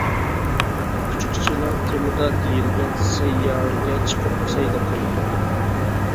ئۇچقۇچىلار تېمىدا دېيىلگەن سەييارىگە چىقىپ سەيلە قىلىدۇ.